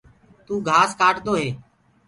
تو گھاس ڪآٽدو هي۔